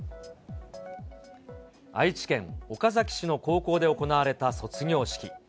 愛知県岡崎市の高校で行われた卒業式。